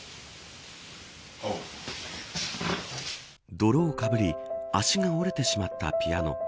泥をかぶり足が折れてしまったピアノ。